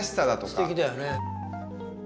すてきだよね。